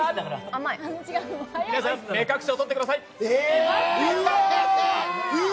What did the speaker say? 皆さん、目隠しを取ってください。